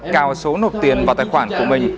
cao số nộp tiền vào tài khoản của mình